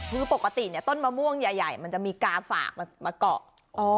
คือปกติเนี่ยต้นมะม่วงใหญ่มันจะมีกาฝากมาเกาะ